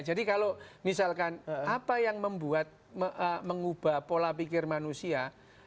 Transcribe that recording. jadi kalau misalkan apa yang membuat mengubah pola pikir manusia